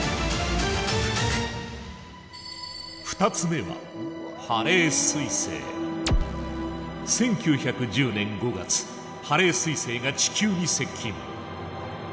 ２つ目は１９１０年５月ハレー彗星が地球に接近。